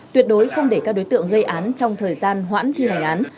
tuyệt đối không để các đối tượng gây án trong thời gian hoãn thi hành án